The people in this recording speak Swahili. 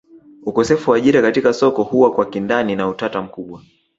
Ukosefu wa ajira katika soko huwa kwa kindani na utata mkubwa